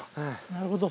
なるほど。